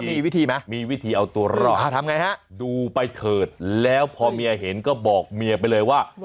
มีวิธีไหมมีวิธีเอาตัวรอดทำไงฮะดูไปเถิดแล้วพอเมียเห็นก็บอกเมียไปเลยว่า